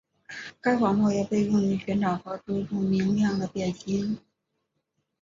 该网络也被用于寻找和追逐明亮的变星。